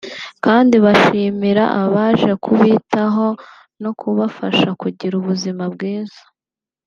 kandi bashimira abaje kubitaho no kubafasha kugira ubuzima bwiza